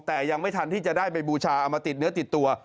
แต่ยังไม่ทันที่จะได้ไปบูชาเอามาติดเนื้อติดตัว